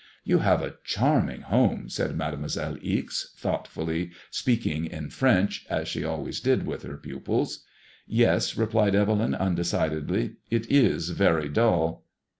" You have a charming home," said Mademoiselle Ixe, thought fully, speaking in French, as she always did with her pupils. " Yes," replied Evelyn, un decidedly, " it is very dull."